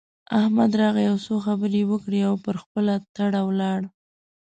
احمد راغی؛ يو څو خبرې يې وکړې او پر خپله تړه ولاړ.